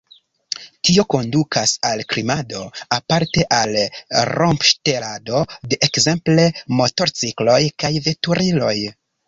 Tio kondukas al krimado, aparte al rompŝtelado de ekzemple motorcikloj kaj veturiloj.